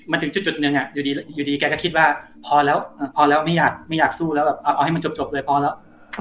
มาถึงจุดหนึ่งอยู่ดีแกก็คิดว่าพอแล้วพอแล้วไม่อยากสู้แล้วแบบเอาให้มันจบเลยพอแล้ว